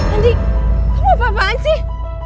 andi kamu apa apaan sih